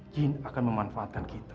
jin akan memanfaatkan kita